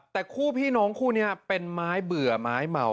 แต่คู่พี่น้องคู่นี้เป็นไม้เบื่อไม้เมา